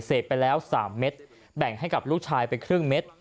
ไปแล้ว๓เม็ดแบ่งให้กับลูกชายไปครึ่งเม็ด